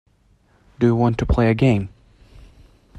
Do you want to play a game.